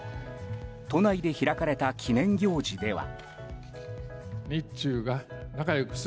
都内で開かれた記念行事では。